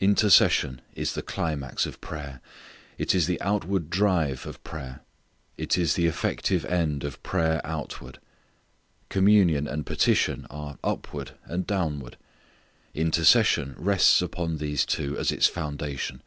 Intercession is the climax of prayer. It is the outward drive of prayer. It is the effective end of prayer outward. Communion and petition are upward and downward. Intercession rests upon these two as its foundation.